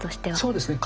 そうですね。